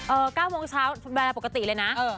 เออก้าโมงเช้าโปรกติอะไรปกติเลยนะ